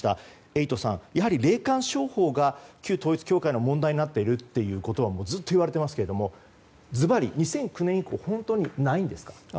エイトさん、やはり霊感商法が旧統一教会の問題になっているということはずっと言われていますがずばり２００９年以降ないんですか？